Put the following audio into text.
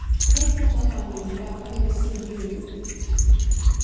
"Make them up, I mean, by coming to see YOU?"